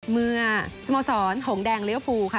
เมื่อสโมสรหงแดงเลี้ยวภูค่ะ